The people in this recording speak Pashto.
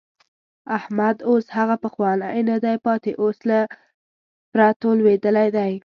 احمد اوس هغه پخوانی نه دی پاتې، اوس له پرتو لوېدلی دی.